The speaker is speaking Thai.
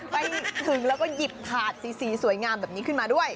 ไปถึงแล้วก็หยิบถาดสีสวยงามแบบนี้ขึ้นมาด้วย